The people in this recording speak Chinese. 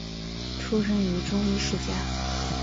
出生于中医世家。